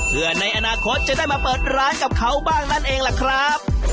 เพื่อในอนาคตจะได้มาเปิดร้านกับเขาบ้างนั่นเองล่ะครับ